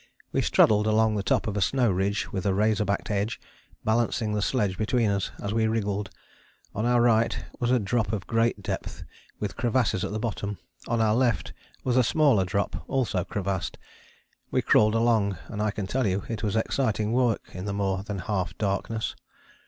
We straddled along the top of a snow ridge with a razor backed edge, balancing the sledge between us as we wriggled: on our right was a drop of great depth with crevasses at the bottom, on our left was a smaller drop also crevassed. We crawled along, and I can tell you it was exciting work in the more than half darkness.